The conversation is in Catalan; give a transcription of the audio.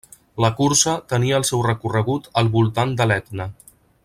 La cursa tenia el seu recorregut al voltant de l'Etna.